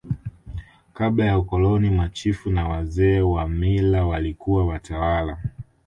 kabla ya ukoloni machifu na wazee wa mila walikuwa watawala